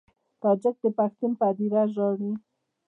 تاجک د پښتون پر هدیره ژاړي.